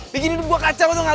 bikin hidup gue kacau atau gak